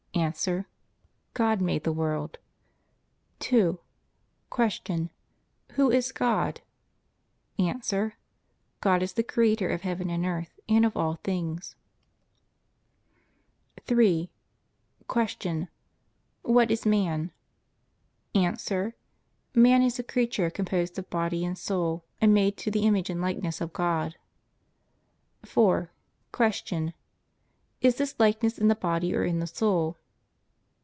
A. God made the world. 2. Q. Who is God? A. God is the Creator of heaven and earth, and of all things. 3. Q. What is man? A. Man is a creature composed of body and soul, and made to the image and likeness of God. 4. Q. Is this likeness in the body or in the soul?